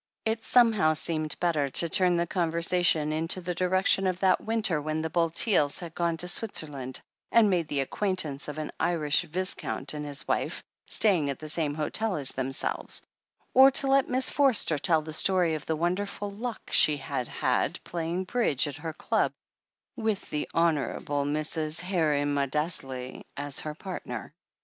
It somehow seemed better to turn the conversation into the direction of that winter when the Bulteels had gone to Switzerland, and made the acquaintance of an Irish viscount and his wife, staying at the same hotel as themselves, or to let Miss Forster tell the story of the wonderful luck she had had playing Bridge at her club with the Honourable Mrs. Harry Maudesley as her partner.